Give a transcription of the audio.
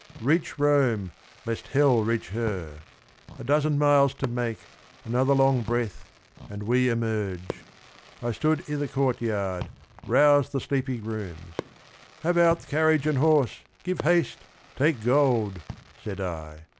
'Reach Rome, Lest hell reach her ! A dozen miles to make, Another long breath, and we emerge !' I stood I' the court yard, roused the sleepy grooms. ' Have out Carriage and horse, give haste, take gold !' said I.